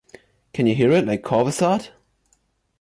Can you hear it like Corvisart?